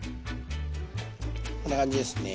こんな感じですね。